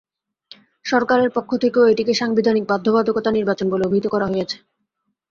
সরকারের পক্ষ থেকেও এটিকে সাংবিধানিক বাধ্যবাধকতার নির্বাচন বলে অভিহিত করা হয়েছে।